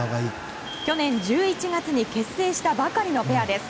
去年１１月に結成したばかりのペアです。